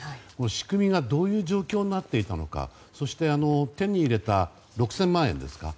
仕組みがどういう状況になっていたのかそして手に入れた６０００万円ですか。